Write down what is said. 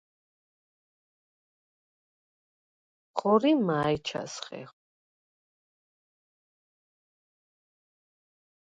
ხორიმა̄ ეჩას ხეხვ?